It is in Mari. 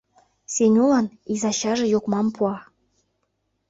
Сенюлан изачаже йокмам пуа...